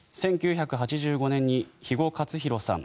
１９８５年に肥後克広さん